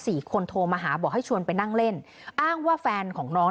คนโทรมาหาบอกให้ชวนไปนั่งเล่นอ้างว่าแฟนของน้อง